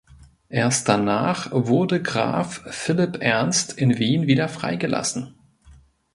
Erst danach wurde Graf Philipp Ernst in Wien wieder freigelassen.